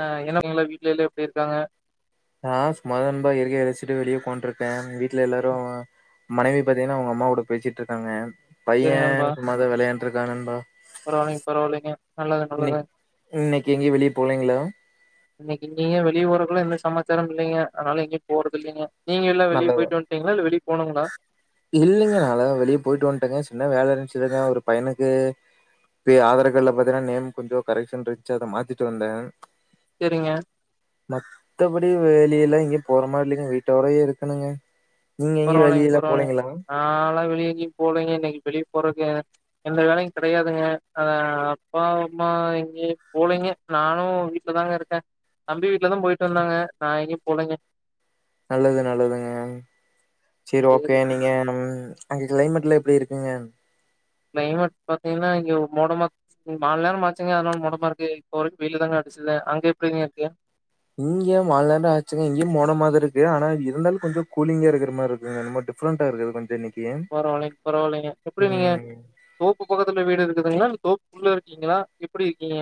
ஆ என்ன உங்கள வீட்ல எல்லா எப்டி இருக்காங்க நா சும்மா தா நண்பா இயற்கைய ரஸ்சிட்டு வெளிய உக்காந்ட்ருக்கே எங் வீட்ல எல்லாரு மனைவி பாத்தீங்னா அவுங்கம்மாவோட பேசிட்ருக்காங்க பைய சேரி நண்பா சும்மாதா வெளையான்ட்டு இருக்கா நண்பா பரவாயில்லைங்க பரவாயில்லைங்க நல்லது நல்லதுங்க இன்னைக் இன்னைக்கு எங்கயு வெளிய போலீங்களா இன்னைக்கு எங்கயு வெளிய போறக்குல்லா எந்த சமாச்சாரம் இல்லைங்க அத்னால எங்கயு போறதில்லீங்க நீங்க எல்லா வெளிய நல்லது போய்ட்டு வந்ட்டீங்களா இல்ல வெளிய போனுங்களா இல்லைங்க நாலா வெளிய போய்ட்டு வந்ட்டேங்க சின்ன வேல இருந்ச்சு இங்க ஒரு பையனுக்கு போய் ஆதார் கார்டுல பாத்தீன்னா நேம் கொஞ்சோ கரெக்க்ஷன் இருந்ச்சி அத மாத்திட்டு வந்தே செரிங்க மத்தபடி வெளியெல்லா எங்கயு போற மார் இல்லீங்க வீட்டோடயே இருக்கணுங்க நீங்க எங்கயு பரவால்லைங் வெளியலா பரவால்லைங் போலீங்களா நால்லா வெளிய எங்கயு போலைங்க இன்னைக்கு வெளிய போறக்கு எனக் எந்த வேலையு கெடையாதுங்க அ அப்பா அம்மா எங்கயு போலீங்க நானு வீட்ல தாங்க இருக்கே தம்பி வீட்ல தா போயிட்டு வந்தாங்க நா எங்கயு போலைங்க நல்லது நல்லதுங்க சேரி ஓகே நீங்க நம் அங்க க்ளைமெட்லா எப்டி இருக்குங்க க்ளைமட் பாத்தீங்னா இங்க மோடமா ம் மால் நேரம்மாச்சீங்க அதுனால் மோடமா இருக்கு இப்ப வரைக்கு வெயில் தாங்க அடிச்சதே அங்க எப்டிங்க இருக்கு இங்கயு மால் நேரந்தா ஆச்சுங்க இங்யு மோடமாக இருக்கு ஆனா இருந்தாலு கொஞ்சோ கூலிங்கா இருக்கற மார்ருக்குங்க அது மட்டு டிஃப்ரண்ட்டா இருக்குது கொஞ்சோ இன்னைக்கு பரவால்லைங் பரவால்லைங்க எப்டி நீங்க ம். தோப்பு பக்கத்துல வீடு இருக்குதுங்களா இல்ல தோப்புக்குள்ள இருக்கீங்களா எப்பிடி இருக்கீங்க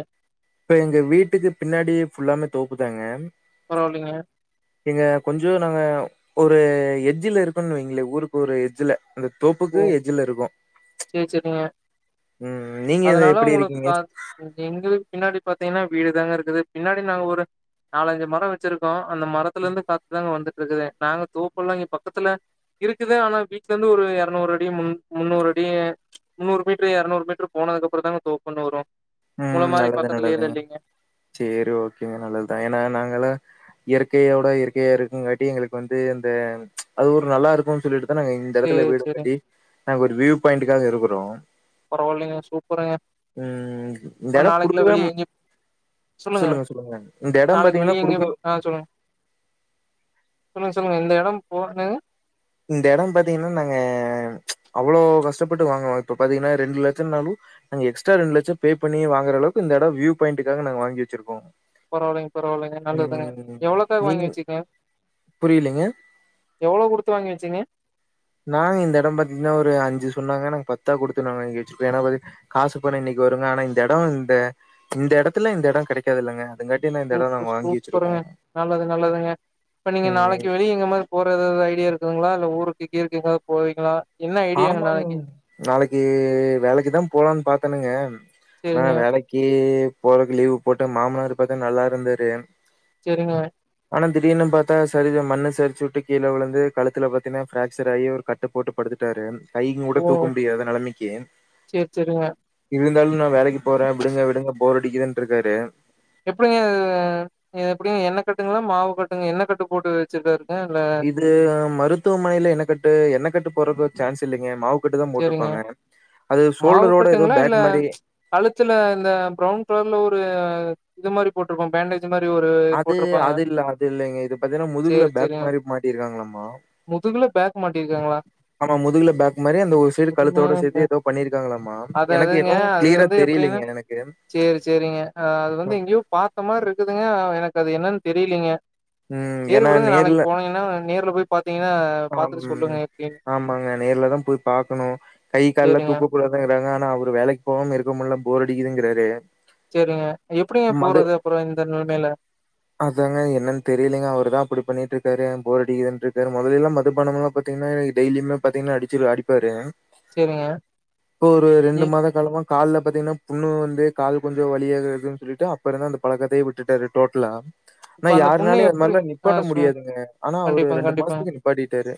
இப்ப எங்க வீட்டுக்கு பின்னாடியே ஃபுல்லாமே தோப்புதாங்க பரவாயில்லைங்க. இங்க கொஞ்சோ நாங்க ஒரு எஜ்ஜுல இருக்கோனு வெய்ங்களே ஊருக்கு ஒரு எஜ்ஜுல அந்த ஓ! தோப்புக்கு எஜ்ஜுல இருக்கோ சரி, சரிங்க. ம் நீங்க எது எப்டி இருக்கீங்க இங்க எங்களுக் பின்னாடி பாத்தீங்னா வீடு தாங்க இருக்குது பின்னாடி நாங்க ஒரு நாலஞ்சு மரோ வெச்சிருக்கோ அந்த மரத்துலர்ந்து காத் தாங்க வந்து ட்ருக்குது நாங்க தோப்பல்லா இங்க பக்கத்துல இருக்குது ஆனா வீட்லருந்து ஒரு எரநூர் அடி முன் முன்னூர் அடி முன்னூறு மீட்டர் எரநூறு மீட்ரு போனதுக்கப்பறந்தாங்க தோ ப்பொன்னு வரு முன்ன மாரி பக்கத்துல எல்லா இல்லீங்க சேரி ஓகேங்க நல்லத் தாங்க ஏனா நாங்கல்லா இயற்கையோட இயற்கையா இருக்குங்காட்டி எங்களுக்கு வந்து இந்த அது ஒரு நல்லாருக்குன் சொல்லிட்டு தா நாங்க இந்த சரி, எடத்துல வீடு சரிங்க. கட்டி நாங்க ஒரு வியூ பாயிண்ட்டுக்காக இருக்கறோ பரவால்லீங்க அ சூப்பருங்க ம் இந்த அப்றோ எடம் நாளைக்கெல்லா குடுக்கவே வெளிய எங்யு சொல்லுங்க இந்த எடம் நாளைக்கு பாத்தீங்கன்னா வெளிய எங்யு குடுக்க ஆ சொல்லுங்க சொல்லுங்க சொல்லுங்க இந்த எடோ போ என்னங்க இந்த எடோ பாத்தீங்கனா நாங்க அவ்ளோ கஷ்டப்பட்டு வாங்னோ இப்ப பாத்தீங்கனா ரெண்டு லட்சோனாலு நாங்க எக்ஸ்ட்ரா ரெண்டு லட்ச பே பண்ணி வாங்கற அளவுக்கு இந்த எட வியூ பாயி்ன்டுக்காக நாங்க வாங்கி வச்சிருக்கோ பரவாயில்லங்க பரவாயில்லங்க நல்லதுங்க ம் எவ்வளோக்கா நீங் வாங்கி வச்சிங்க புரியலீங்க எவ்வளோ கொடுத்து வாங்கி வச்சிங்க நாங்க இந்த எடம் பாத்தீங்கன்னா ஒரு அஞ்சு சொன்னாங்க நாங்க பத்தா குடுத்து நாங்க வாங்கி வச்சிருக்கோ ஏன்னா வ காசு பணம் இன்னைக்கு வருங்க ஆனா இந்த எடம் இந்த இந்த எடத்துல இந்த எடம் கெடைக்காதுல்லங்க அதுங்கா சூப்பர் சூப்பருங்க நல்லது நல்லதுங்க இப்ப நீங்க ம் நாளைக்கு வெளிய எங்க மாரி போற ஏதாது ஐடியா இருக்குங்களா இல்ல ஊருக்கு கீருக்கு எங்காவது போவீங்களா என்ன ஐடியாங்க ஆமாங்க நாளைக்கு நாளைக்கு வேலைக்கு தா போலான்னு பாத்தேனுங்க ஆனா செரிங்க வேலைக் கி போறக்கு லீவு போட்டு மாமனார் பாத்தா நல்லா இருந்தாரு செரிங்க ஆனா திடீர்னு பாத்தா சரிது மண்ணு சரிச்சு விட்டு கீழ விழுந்து கழுத்துல பாத்தீங்கன்னா ஃபிராக்சர் ஆயி அவரு கட்டு போட்டு படுத்துட் டாரு கை கூட ஓ தூக்க முடியாத நெலமைக்கி செரி செரிங்க இருந்தாலு நா வேலைக்கு போற விடுங்க விடுங்க போரடிக்குதுன் இருக்காரு எப்டிங்க ஆ எப்படிங்க எண்ணெ கட்டுங்களா மாவு கட்டுங்களா எண்ணெ கட்டு போட்டு வச்சுருக்கார்ங்க இல்ல இவுரு மருத்துவமனையில எண்ணெ கட்டு எண்ணெ கட்டு போறக்கு சான்ஸ் இல்லிங்க மாவு கட்டுதா செரிங்க போட்ருப்பாங்க அது மாவு சோல்டரோட ஏதோ கட்டுங்களா இல்ல பேக் மாரி கழுத்துல இந்த ப்ரௌன் கலர்ல ஒரு இது மாரி போட்ருக்கு பேண்டேஜ் இது மாரி ஒரு அது போட்ருப்பாங்க அது இல்ல அது இல்லங்க இது பாத்தீங்கன்னா முதுகுல சேரி பேக் சேரிங்க மாரி மாட்டிருக்காங்களாம்மா முதுகுல பேக் மாட்டிருக்காங்களா ஆமா முதுகுல பேக் மாரி அந்த ஒரு சைடு முதுகுல கழுத்தோட சேத்து பேக் ஏதோ பண்ணிருக்காங்களாம்மா அது எனக்கு அதுங்க என்னவோ அது கிளியரா வந்து எப்டின்னா தெரியலீங்க எனக்கு சேரி சேரிங்க அது வந்து ம். எங்கேயோ பாத்த மாதிரி இருக்குதுங்க எனக்கு அது என்னன்னு தெரியிலீங்க ம். சேரி ஏன்னா விடுங்க நாளைக்கு நேர்ல போனீங்கன்னா நேர்ல போய் பாத்தீங்கன்னா பாத்துட்டு சொல்லுங்க எப்டின்னு ப்பாங்க நேர்ல தா போய் பாக்கணும் கை கால்ல சேரிங்க தூக்கக்கூடாது ங்கிறாங்க ஆனா அவரு வேலைக்கு போவாம இருக்க முட்ல போர் அடிக்குதுங்கிறாரு சேரிங்க எப்டிங்க மது போறது அப்புற இந்த நெலைமையில அதாங்க என்னன்னு தெரியிலங்க அவர்தா அப்டி பண்ணிட்டு இருக்காரு போர் அடிக்குதுன்ட்ருக்காரு மொத எல்லா மதுபானம்லா பாத்தீங்கன்னா டெய்லியுமே பாத்தீங்கன்னா அடிச்சுடு அடிப்பாரு சேரிங்க இப்போ ஒரு ரெண்டு இ மாத காலமா கால்ல பாத்தீங்கன்னா புண்ணு வந்து கால் கொஞ்ச வழியாகுதுன்னு சொல்லிட்டு அப்பற இருந்து அந்த பழக்கத்தையே விட்டுட்டாரு டோட்டலா இப்ப ஆனா அந்த பொண்ணு யாருனாலையு அது எப்டி மாரில்லா ஆ நிப்பாட்ட சொ முடியாதுங்க ஆனா அவரு கண்டிப்பாங்க ரெண்டு மாசத்துக்கு நிப்பாட்டிட்டாரு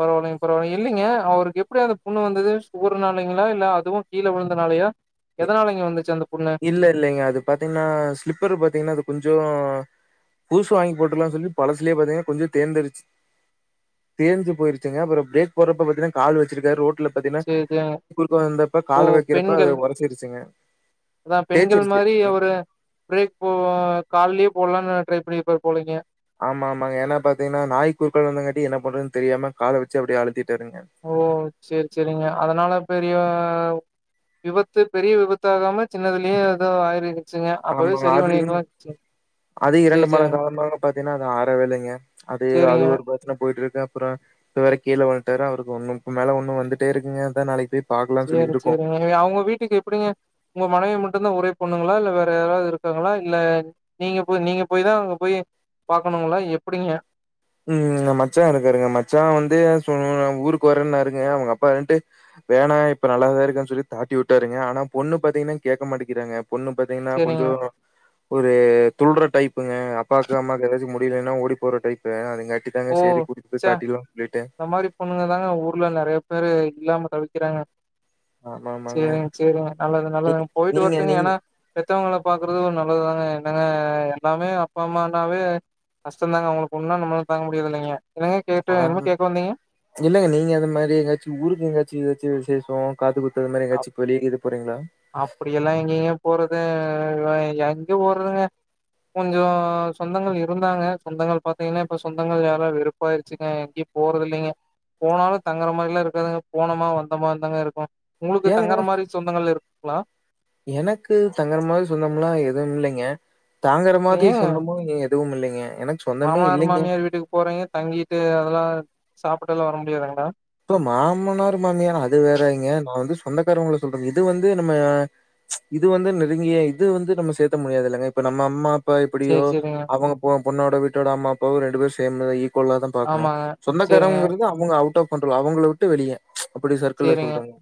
பரவாயில்லிங்க பரவாயில்லிங்க இல்லிங்க அவருக்கு எப்படி அந்த புண்ணு வந்தது சுகருனாலிங்களா இல்ல அதுவு கீழே விழுந்தனாலயா இ எதனாலங்க வந்துச்சு அந்த புண்ணு இல்ல இல்லங்க அது பாத்தீங்கன்னா ஸ்லிப்பர் பாத்தீங்கன்னா அது கொஞ்ச புதுசு வாங்கி போட்டுலான்னு சொல்லி பழசுலே பாத்தீங்கன்னா கொஞ்ச தேர்ந்துடுச்சு தேஞ்சி போயிருச்சுங்க அப்புற பிரேக் போறப்ப பாத்தீன்னா கால் வச்சிருக்காரு ரோட்ல பாத்தின்னா சேரி சேரி குறுக்க வந்தப்ப ஓ கால வக்கிறப்ப அது பெண்கள் ஒர ச்சுங்க தேச்சிருச்சு ஆ பிரேக் போ கால்லயே போட்லானு ட்ரை பண்ணிருப்பாரு போலீங்க ஆமா ஆமாங்க ஏன்னா பாத்தீங்கன்னா நாய் குறுக்காள வந்தங்காட்டி என்ன பண்றன்னு தெரியாம கால வச்சு அப்டியே அழுத்திட்டாருங்க ஓ செரி செரிங்க அதனால பெரிய விபத்து பெரிய விபத் தாகாம சின்னதுலயே எதோ ஆயிருச்சுங்க அப்பவே ஆமாங்க. சரி அது பண்ணிருக்கலா வச்சிங்க அது இரண்டு மாத காலமாக பாத்தீங்கன்னா அது ஆறவே இல்லங்க அது அது சேரிங்க ஒரு ச்சன போய்ட்டுருக்கு அப்புற இத வேற கீழே உழுந்ட்டாரு அவருக்கு ஒன்னும்ப்பு மேல ஒன்னு வந்துட்டே இருக்குங்க அதா நாளைக் போய் பாக்கலாம்னு சொல்லி சேரி இருக்கோம். சேரிங்க எங்க அவுங்க வீட்டுக்கு எப்படிங்க உங்க மனைவி மட்டுந்தா ஒரே பொண்ணுங்ளா இல்ல வேற யாராத் இருக்காங்களா இல்ல நீங்க போய் நீங்க போய் தா அங்க போய் பாக்கணுங்கலா எப்படிங்க ம் எங்க மச்சா இருக்காருங்க மச்சா வந்து சொ ஊருக்கு வரேன்னாருங்க அவுங்க அப்பா விழ்ந்டு வேணா இப்ப நல்லாதா இருக்குன் சொல்லி தாட்டி வுட்டாருங்க ஆனா பொண்ணு பாத்தீங்ன்னா கேக்க மாட்டேக்கிறாங்க பொண்ணு பார்த்தீங்கன்னா சேரிங்க கொஞ்சோ ஒரு துல்ற டைப் ங்க அப்பாவுக்கு அம்மாக்கு எதாச்சு முடிலேன்னா ஓடி போற டைப்பு அதுங்காட்டி அதாங்க ஓ செரி கூட்டிட்டு ச்ச போய் காட்டில்லா சொல்லிட்டே இந்த மாரி பொண்ணுங்க தாங்க ஊர்ல நெறைய பேரு இல்லாம தவிக்கிறாங்க. ஆமா, ஆமாங்க. செரிங்க செரிங்க நல்லது நீ நல்லதுங்க போய்ட்டு நீங்க வர்டுங்க நீங்க ஏனா பெத்தவங்கள பாக்குறதுவு நல்லதுதாங்க என்னங்க அ எல்லாமே அப்பா அம்மானாவே கஷ்டந்தாங்க அவுங்களுக் ஒன்னா நம்ப்லால தாங்க முடியர்தில்லைங்க என்னங்க கேட்டு ஆ. என்னமோ கேக்க வந்தீங்க இல்லங்க நீங்க அந்த மாதனரி எங்காச்சு ஊருக்கு எங்காச்சு ஏதாச்சு விஷேஷோ காத்து குத்த்து இந்மாரி எங்காச்சி வெளிய இது போறீங்களா அப்படிெல்லா எங்கங்க போறது [unintelligible] எங்க போறதுங்க கொஞ்சோ சொந்தங்கள் இருந்தாங்க சொந்தங்கள் பாத்தீங்கன்னா இப்ப சொந்தங்கள் எல்லாரு வெறுப்பாயிருச்சுங்க எங்க்யு போறதில்லைங்க போனாலு தங்குற மாறில்லா இருக்காதுங்க போனமா வந்தமான்தாங்க இருக்கு உங்களுக்கு ஏங்க தங்குற மாறி சொந்தங்கள் இருக்குங்ளா எனக்கு தங்குற மாரி சொந்தமெல்லா எதுவும் இல்லைங்க தாங்கற மாதி ஏங்க சொந்தமு இங்க எதுவும் இல்லைங்க எனக் சு மாமனார், மாமியார் வீட்டுக்கு போறீங்க தங்கிட்டு அதெல்லா சாப்பட்டுல்லா வர முடியாதுங்களா இப்ப மாமனாரு மாமியார் அது வேறங்க நா வந்து சொந்தக்காரவங்கள சொல்றே இது வந்து நம்ம இது வந்து நெருங்கிய இது வந்து நம்ம சேத்த முடியாததுல்லங்க இப்ப நம்ம அம்மா இப்ப எப்படியோ சேரி சேரிங்க அவங்க பொ பொண்ணோட வீட்டோட அம்மா அப்பாவு ரெண்டு பேரு சேமுதா ஈ க்கோளாதா பாக்கணு ஆமாங்க சேரிங்க சொந்தக்காரவ்ங்கறது அவேங்க அவுட் ஆஃப் கன்ரோல் அவுங்கள விட்டு வெளிய அப்படி சர்க்கிள்ல சேரிங்க சொல்றங்க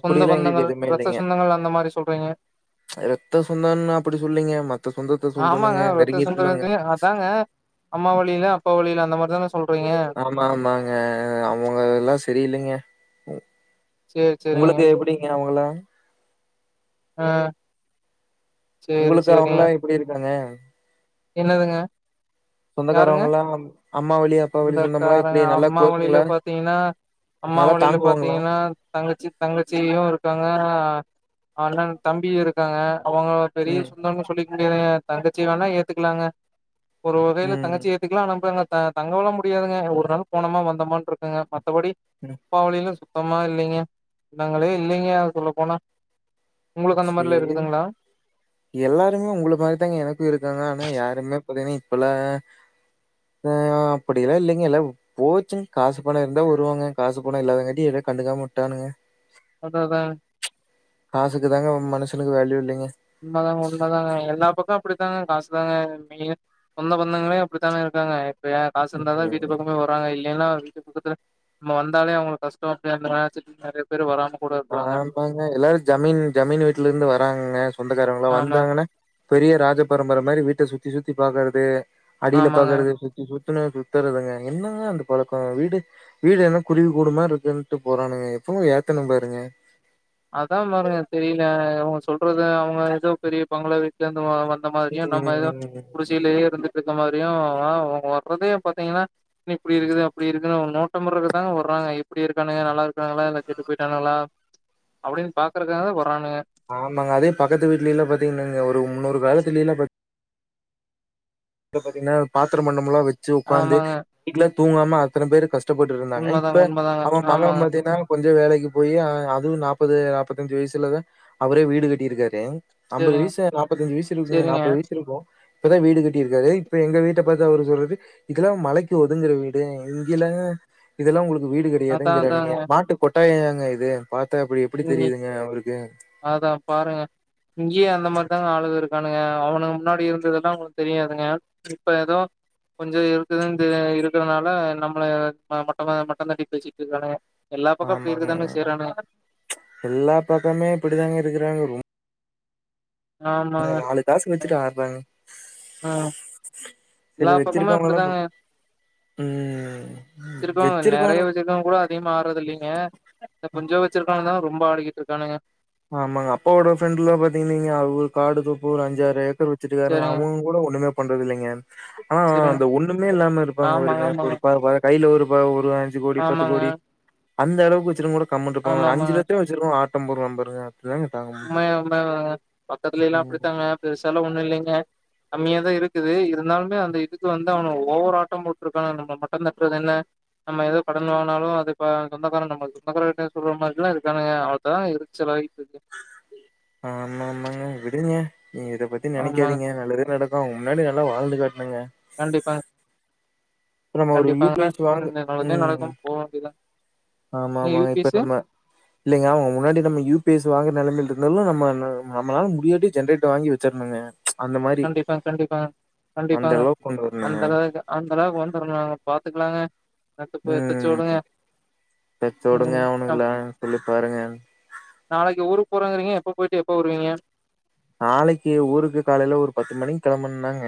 சொந்த பந்தங்கள் ரத்த சொந்தங்கள் அந்த மாரி சொல்றீங்க ரத்த சொந்தன்னு நா அப்படி சொல்லங்க மத்த சொந்தத்த சொல்றனுங்க ஆமாங்க ரத்த நெருங்கிய சொந்தங்க சொந்தது அதாங்க அம்மா வழியில அப்பா வழியில அந்த மாரிதான சொல்றீங்க ஆமா ஆமாங்க அவுங்க எல்லா செரியில்லெங்க சேரி சேரிங்க உங்களுக்கு எப்புடிங்க அவுங்களா ஆ சேரி உங்களுக்கு சேரிங்க அவங்கலாம் எப்படி இருக்காங்க? என்னதுங்க யாருங்க சொந்தக்காரவங்கலாம் அம்மா வழி, அப்பா வழி சொந்தம்லாம் சொந்தகாரங் எப்படி நல்லா அம்மா வழியில குளோஸுங்களா? பாத்தீங்கன்னா அம்மா நல்லா வழியில தாங்குவாங்களா? பாத்தீங்கன்னா தங்கச்சி தங்கச்சியு இருக்காங்க அ அண்ணன் தம்பி இருக்காங்க அவங்கள பெரிய ம், சொந்தன்னு சொல்லி க முடியாதுங்க தங்கச்சிய வேணா ஏத்துக்கலாங்க ஒரு வகையில தங்கச்சி ம், யே த்துக்லா நம்போய் அங்க த தங்கவொல்லா முடியாதுங்க. ஒருநாள் போனமா வந்தமானுருக்குங்க. மத்தபடி ம் அப்பா வழியில சுத்தமா இல்லைங்க. நாங்களே இல்லைங்க சொல்ல போனா உங்களுக்கு அந்த சே மாரிலா இருக்குதுங்களா எல்லாருமே உங்கள மாரிதாங்க எனக்கு இருக்காங்க ஆனா யாருமே பாத்தீங்ன்னா இப்பெல்லா ஆ அப்படியெலா இல்லைங்க எல்லா போச்சுங் காசு பணோ இருந்தா வருவாங்க. காசு பணோ இல்லாதங்காட்டி எது கண்டுக்காம உட்டானுங்க! அதாதா காசுக்குதாங்க மனுஷனுக்கு வேல்யூ இல்லேங்க உண்மதாங்க உண்மதாங்க எல்லா பக்கோ அப்டித்தாங்க காசு தாங்க மெயின் சொந்த பந்தங்களே அப்டித்தான இருக்காங்க! இப்ப ஏ காசு இருந்தாதா ம். வீட்டு பக்கமே வரு வாங்க இல்லன்னா வீட்டு பக்கத்தில நம்ம வந்தாலே அவுங்களுக்கு கஷ்டோ அப்டி நெனச்சிட்டு நெறைய பேரு வராம கூட இருக்லாங்க பாருங்க. எல்லாரு ஜமீன் ஜமீன் வீட்ல இருந்து வராங்கக சொந்தக்காரங்களா ஆமா வந்தாங்கனா பெரிய ராஜபரம்பர மாரி வீட்ட சுத்தி சுத்தி பாக்கறது. அடில ஆமாங்க பாக்கறது இது சுத்துனா சுத்தறதுங்க என்னங்க அந்த பழக்கோ வீடு வீடு என்ன குருவி கூடுமார் இருக்குன்ட்டு போறானுக எப்பவு ஏத்தன பாருங்க அதா பாருங்க தெரில இவுங்க சொல்றது அவங்க ஏதோ பெரிய பங்ளா வீ ட்ல வந்த மாதிரியு நம்ம ஏதோ ம். குடிசையிலேயே இருந்து த மாரியு வ வர்றதே பாத்தீங்ன்னா என்ன இப்டி இருக்குது அப்டி இருக்குனு அவனுக நோட்ட விட்றதுக்தா வறாங்க எப்டி இருக்கணு நல்லாரு க்காங்ளா இல்ல கெட்டு போய்ட்டானுகளா அப்டினு பாக்கறக்காகவே வரானுக ஆமாங்க அதே பக்கத்து வீட்லலா பாத்தீங்னாங்க ஒரு முன்னோறு காலத்திலலா பா ப்ப பாத்தீங்னா பாத்தர பண்டமமெல்லா வச்சு உக்காந்து ஆமாங்க வீட்ல தூங்காம அத்தன பேரு க ஷ்ட பட்டுட்டு இருந்தாங்க உண்மதாங்க இப்ப உண்மதாங்க அவ மக ஆமாங்க பாத்தின்னா கொஞ்சோ வேலைக்கி போய் அதுவு நாப்பது நாப்பத்தஞ்சு வயசுலதே அவரே வீடு கட்டிருக்காரு அம்பது செரிங்க வயசு நாப்பதஞ்சு வயசு இருக்குங்க செரிங்க நாப்பது வயசு இருக்கு இப்பதா வீடு கட் டிருக்காரு. இப்ப எங்க வீட்ட பாத்தா அவரு சொல்றது, இதெல்லா மழைக்கு ஒதுங்கற வீடு, இங்கெலா இதெல்லா உங்களுக்கு வீடு அதா கெடயாதுங்றானுக அதாங்க மாட்டு கொட்டாயாங்க இது. பாத்தா எப்டி எப்டி ம் தெரிதுங்க அவுருக்கு அதா பாருங்க இங்கேயே அந்த மாரிதாங்க ஆளுக இருக்கானுக அவனுங்க முன்னாடி இருந்ததெல்லா அவுங்களுக்கு தெரியாதுங்க இப்ப ஏதோ கொஞ்சோ இருக்குதுன்தே இருக்கறனால நம்மள மொட்டமா மட்டந்தட்டி பேசிட்டு இருக்றாணுக எல்லா பக்கோ அப்டி ஆமாங்க இருக்கதானே செய்றானுக எல்லா பக்கமே இப்டிதாங்க இருக்றானுக ரொம் ப ஆமாங்க நாலு காசு வச்சுட்டு ஆட்றாங் ஆ எல்லா பக்கமுமே அப்டித்தாங்க. ம் வச்சிருக்கவுங்க வச்சிருக்கவனு நெறைய வச்சிருக்கவுங்க கூட.. அதிகமா ஆட்றதில்லைங்க. இந்த கொஞ்சோ வச்சிருக்கவுனுதாங்க ரொம்ப ஆடிக்கிட்ருக்கானுக ஆமாங்க அப்பாவோட ஃப்ரெண்ட்லா பாத்தீங்னீங் வைங்க அவுக காடு தோப்பு ஒரு அஞ்சாரு ஏக்கரு வ ருக்காருங்க செரிங்க அவுங்க கூட ஒண்ணுமே பண்றதில்லைங்க ஆ ஆ செரிங்க அந்த ஒண்ணுமே இல்லாம இருப்பாங்க ஆமாங்க வாருங்க, ஒரு ஆமாங்க பா ப கைல ஒருபா ஒரு அஞ்சு கோடி, பத்து ஆமாங்க கோடி, அந்த அளவுக்கு வச்சிருக்குவ கூட கம்முன்ட்ருப்பா ஆமா ஒரு அஞ்சு ஆமாங்க லட்சோ வச்சிருக்கறவ ஆட்டம் போடுவா பாருங்க! அதுதாங்க தாங்க முடில! நம்ம பக்கத்துலேலா ம் அப்டித்தாங்க பெருசாலா ஒண்ணு இல்லைங்க கம்மியாதா இருக்குது. இருந்தாலுமே அந்த இதுக்கு வந்து அவனுக ஓவர் ஆட்டம் போட்ருக்கானுக நம்ம மட்டந் தட்றதென்ன நம்ம ஏதோ கடன் வாங்னாலு அது ப சொந்தக்கார நம்ம சொந்தக்காரங்ட்ட சொல்ற மாரிலா இருக்காங்னுக அ ப்பதாங்க எரிச்சலாயிட்ருக்கு ஆமாமாங்க! விடுங்க! நீங்க இத பத்தி ஆமா நெனைக்காதீங்க! நல்லதே நடக் அதா அவுங்க முன்னாடி நல்லா வாழ்ந்து காட்னுங்க கண்டிப்பா! நம்ம ஒரு கண்டிப்பா யூ பி எஸ் வாங்க [inaudible] நல்லதே நடக்கும் போ வேண்டிதா ஆமாம்மா இப்ப நம்ம இல்லைங்க அவங்க முன்னாடி நம்ம யூ பி எஸ் வாங்கற நெலமைலருந்தாலு நம்ம நம்மளால முடியாட்டி ஜென்ரேட்டர் வாங்கி வெச்சர்ணுங்க கண்டிப்பா கண்டிப்பாங்க அந்த கண்டிப்பாங்க அளவுக்கு கொண்டு வரணுங்க. அந்த அளவுக்கு அந்த அளவுக்கு வந்துரு நாங்க பாத்துக்கலாங்க ம். [unintelligible] பெத்தோடுங்க ம் அக் அவனுங்களா சொல்லி பாருங்க. நாளைக்கு ஊருக்கு போறங்கறீங்க எப்ப போயிட்டு எப்ப வருவீங்க நாளைக்கு ஊருக்கு காலைல ஒரு பத்து மணிக்கு கெளம்புனனாங்க.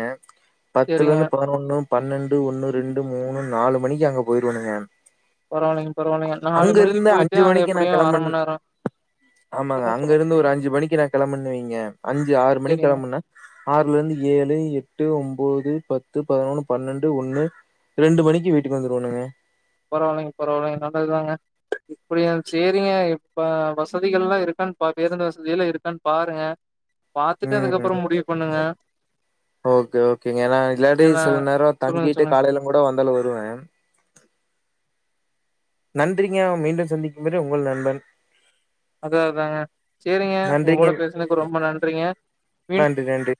சரிங்க பத்துலருந்து பதினொன்னு. பன்னண்டு, ஒன்னு, ரெண்டு, மூணு, நாலு மணிக்கு அங்க போயிருவனுங்க! பரவால்லிங்க. பரவால்லிங்க. நாலு மணிக்கு அங்கருந்து போயிட்டு அங்க மணிக்கு நான் எப்டியு கெளம்பன் அரமண் நேரோ. ஆமாங்க சொல்லுங்க அங்க சொல்லுங்க இருந்து ஒரு அஞ்சு மணிக்கு நா கொளம்பணண் வைங்க அஞ்சு ஆறு மணிக்கு சரிங்க கெளம்பு னு ஆறுலருந்து ஏழு, எட்டு, ஒம்போது, பத்து, பதனொன்னு, பன்னெண்டு, ஒன்னு, ரெண்டு மணிக்கு வீட்டுக்கு வந்துருவோணுங்க பரவால்லைங் பரவால்லைங் நல்லதுதாங்க இப்படியு! சேரிங்க! இப்ப வசதிகல்லா இருக்கானு பா பேருந்து வசதியலா இருக்கான்னு பாருங்க! பாத்துட்டு ம். அதுக்கப்பறோ முடிவு பண்ணுங்க! ஓகே! ஓகேங்க! ஏன்னா இல்லாட்டி, ஏன்னா சில நேரோ சொல்லுங்க, தங்கிட்டு சொல்லுங்க. காலைலுங் கூட வந்தாலு வருவ நன்றிங்க! மீண்டும் சந்திக்கும் வரை உங்கள் நண்பன்! அதா அதாங்க சேரிங்க உங்க நன்றிங்க. கூட பேசுனக்கு ரொம்ப நன்றிங்க மீண்டும் நன்றி! நன்றி!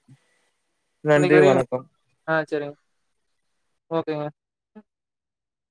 நன்றி! நாளைக்கு வரையும் வணக்கம்! ஆ! செரிங்! ஓகேங்க!